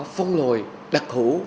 phong lòi đặc hữu